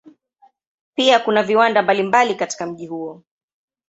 Pia kuna viwanda mbalimbali katika mji huo.